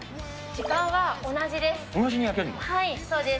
時間は同じです。